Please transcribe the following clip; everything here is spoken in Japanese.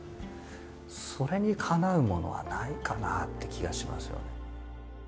それにかなうものはないかなって気がしますよね。